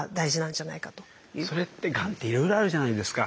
それってがんっていろいろあるじゃないですか。